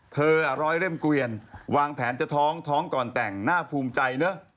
ร้อยเล่มเกวียนวางแผนจะท้องท้องก่อนแต่งหน้าภูมิใจเนอะ